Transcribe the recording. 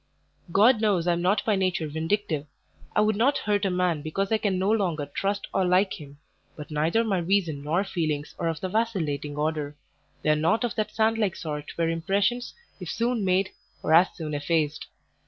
God knows I am not by nature vindictive; I would not hurt a man because I can no longer trust or like him; but neither my reason nor feelings are of the vacillating order they are not of that sand like sort where impressions, if soon made, are as soon effaced.